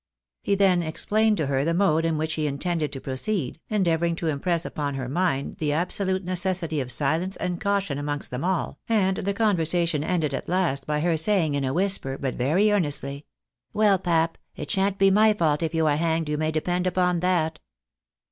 He then explained to her the mode in which he intended to proceed, endeavouring to impress upon her mind the absolute ne cessity of silence and caution amongst them all, and the con versation ended at last by her saying in a whisper, but very earnestly —" WeU, pap, it shan't be my fault if you are hanged, you may depend upon that."